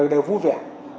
đều vui vẻ